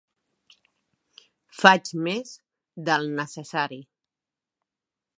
Faig més del necessari.